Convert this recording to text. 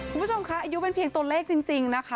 คุณผู้ชมคะอายุเป็นเพียงตัวเลขจริงนะคะ